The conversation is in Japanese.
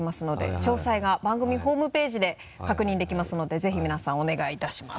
詳細が番組ホームページで確認できますのでぜひ皆さんお願いいたします。